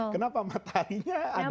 kenapa mataharinya ada